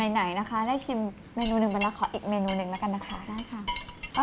ไหนนะคะได้ชิมเมนูหนึ่งไปแล้วขออีกเมนูหนึ่งแล้วกันนะคะได้ค่ะ